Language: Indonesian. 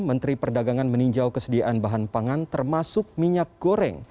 menteri perdagangan meninjau kesediaan bahan pangan termasuk minyak goreng